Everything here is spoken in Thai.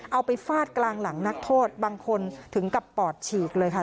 ไปฟาดกลางหลังนักโทษบางคนถึงกับปอดฉีกเลยค่ะ